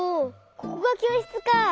ここがきょうしつか。